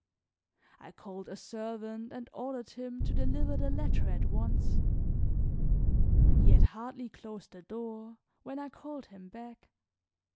I called a servant and ordered him to deliver the letter at once. He had hardly closed the door when I called him back.